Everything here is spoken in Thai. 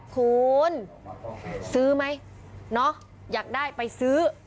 คุณซื้อไหมเนาะอยากได้ไปซื้อ